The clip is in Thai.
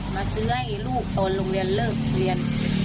มาซื้อให้ลูกตอนโรงเรียนเลิกเรียน